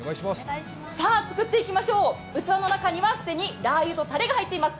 作っていきましょう、器の中に既にラー油とたれが入っています。